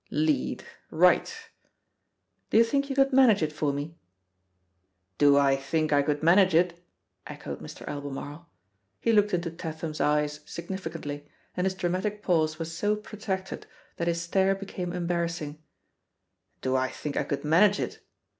"Lead. Right!" Do you think you could manage it for me? *T)o I think I could manage it?" echoed Mr. Albemarle. He looked into Tatham's eyes sig yHE POSITION OP PEGGY HARPEK 26 Bificantly, and his dramatic pause was so pro* tracted iliat his stare became embarrassing. "Do I think I could manage it?